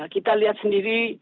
kita lihat sendiri